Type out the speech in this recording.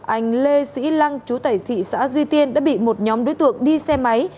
anh lê sĩ lăng chú tại tp duy tiên đã bị một nhóm đối tượng đi xe máy